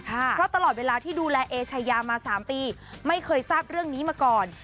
เพราะตลอดเวลาที่ดูแลเอชายามา๓ปีไม่เคยทราบเรื่องนี้มาก่อน